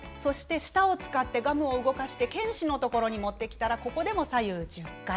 舌を使ってガムを動かして犬歯のところに持ってきたらここでも左右１０回。